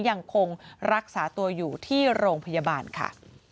ยังคงรักษาตัวอยู่ที่โรงพยาบาลค่ะ